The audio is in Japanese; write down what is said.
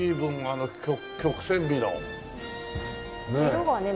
色がね